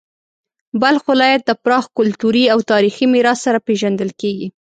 بلخ ولایت د پراخ کلتوري او تاریخي میراث سره پیژندل کیږي.